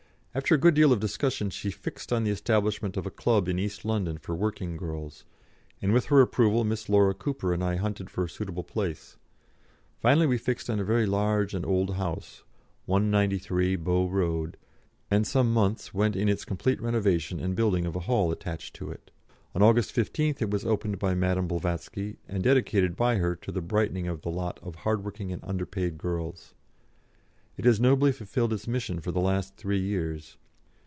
After a good deal of discussion she fixed on the establishment of a club in East London for working girls, and with her approval Miss Laura Cooper and I hunted for a suitable place. Finally we fixed on a very large and old house, 193, Bow Road, and some months went in its complete renovation and the building of a hall attached to it. On August 15th it was opened by Madame Blavatsky, and dedicated by her to the brightening of the lot of hardworking and underpaid girls. It has nobly fulfilled its mission for the last three years.